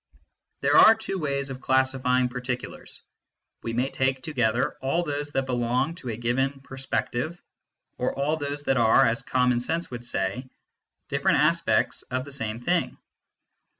There are two ways of classifying particulars : we may take together all those that belong to a given " perspec tive/ or all those that are, as common sense would say, different " aspects " of the same " thing."